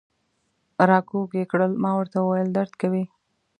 را کږ یې کړل، ما ورته وویل: درد کوي.